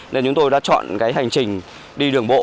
nên chúng tôi đã chọn cái hành trình đi đường bộ